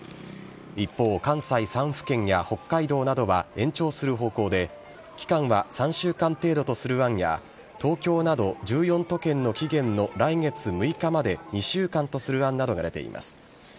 一方、関西３府県や北海道などは延長する方向で、期間は３週間程度とする案や、東京など１４都県の期限の来月６日まで２週間とする案などが出ています。